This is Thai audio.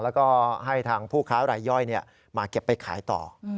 แล้วก็ให้ทางผู้ค้ารายย่อยมาเก็บไปขายต่อ